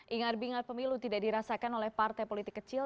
ingat bingar pemilu tidak dirasakan oleh partai politik kecil